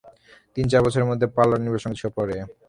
তিন-চার বছরের মধ্যে পালরা নির্বংশ হয়ে পড়ে।